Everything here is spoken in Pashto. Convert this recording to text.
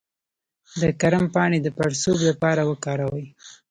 د کرم پاڼې د پړسوب لپاره وکاروئ